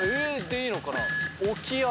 いいのかな？